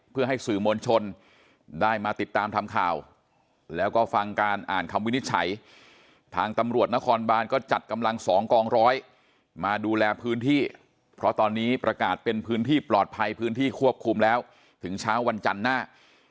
พร้อมร้อยมาดูแลพื้นที่เพราะตอนนี้ประกาศเป็นพื้นที่ปลอดภัยพื้นที่ควบคุมแล้วถึงเช้าวันจันทร์หน้า